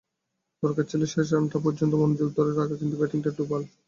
দরকার ছিল শেষ রানটা হওয়া পর্যন্ত মনোযোগ ধরে রাখা, কিন্তু ব্যাটিংটাই ডোবাল।